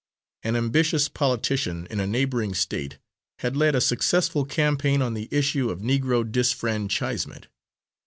An ambitious politician in a neighbouring State had led a successful campaign on the issue of Negro disfranchisement.